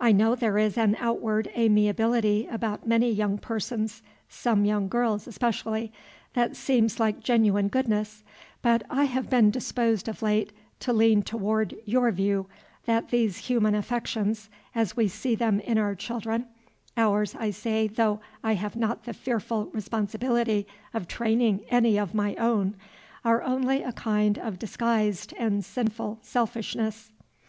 I know there is an outward amiability about many young persons, some young girls especially, that seems like genuine goodness; but I have been disposed of late to lean toward your view, that these human affections, as we see them in our children, ours, I say, though I have not the fearful responsibility of training any of my own, are only a kind of disguised and sinful selfishness."